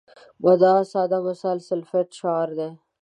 مدعا ساده مثال سلفیت شعار دی.